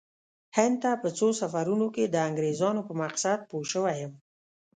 هند ته په څو سفرونو کې د انګریزانو په مقصد پوه شوی یم.